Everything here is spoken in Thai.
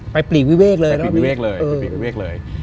ไปปรีวิเวกเลย